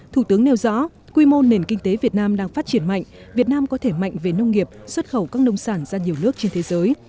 thủ tướng nêu rõ quy mô nền kinh tế việt nam đang phát triển mạnh việt nam có thể mạnh về nông nghiệp xuất khẩu các nông sản ra nhiều nước trên thế giới